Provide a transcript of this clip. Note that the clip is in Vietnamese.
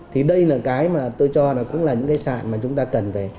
thì đây là cái mà tôi cho là cũng là những cái sản mà chúng ta cần về